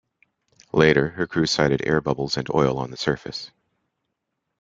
Later, her crew sighted air bubbles and oil on the surface.